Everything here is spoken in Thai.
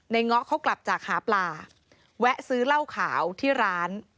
เงาะเขากลับจากหาปลาแวะซื้อเหล้าขาวที่ร้าน